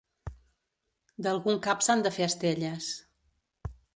D'algun cap s'han de fer estelles.